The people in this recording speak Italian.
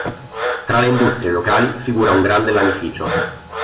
Tra le industrie locali figura un grande lanificio.